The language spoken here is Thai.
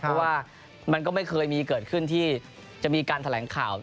เพราะว่ามันก็ไม่เคยมีเกิดขึ้นที่จะมีการแถลงข่าว